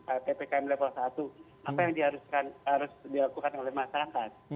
karena ppkm level satu apa yang harus dilakukan oleh masyarakat